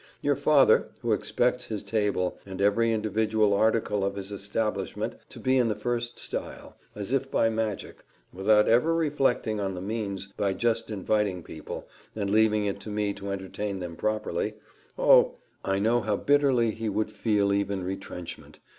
Your father, who expects his table, and every individual article of his establishment, to be in the first style, as if by magic, without ever reflecting on the means, but just inviting people, and leaving it to me to entertain them properly oh! I know how bitterly he would feel even retrenchment!